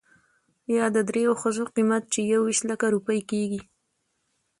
يا د درېو ښځو قيمت، چې يويشت لکه روپۍ کېږي .